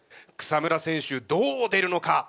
草村選手どう出るのか？